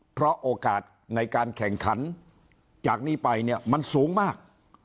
เพราะโอกาสในการแข่งขันจากนี้ไปเนี่ยมันสูงมาก